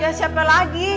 ya siapa lagi